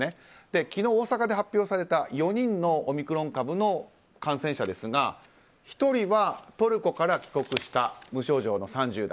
昨日、大阪で発表された４人のオミクロン株の感染者ですが１人はトルコから帰国した無症状の３０代。